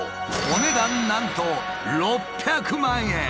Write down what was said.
お値段なんと６００万円。